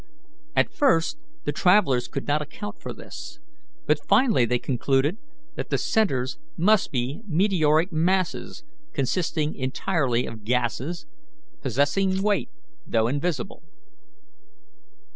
At first the travellers could not account for this, but finally they concluded that the centres must be meteoric masses consisting entirely of gases, possessing weight though invisible.